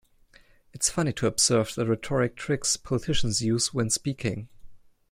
It's funny to observe the rhetoric tricks politicians use when speaking.